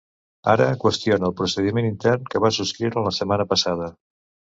Ara qüestiona el procediment intern que van subscriure la setmana passada.